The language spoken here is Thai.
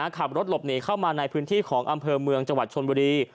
ขับรถหลบหนีเข้ามาในพื้นที่ของอำเภอเมืองจังหวัดชนบุรี